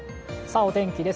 お天気です。